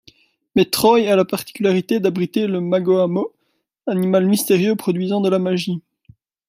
Mais Troy a la particularité d'abriter le Magohamoth, animal mystérieux produisant de la magie.